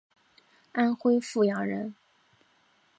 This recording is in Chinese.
安徽阜阳人。